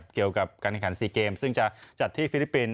เกี่ยวกับการแข่งขัน๔เกมซึ่งจะจัดที่ฟิลิปปินส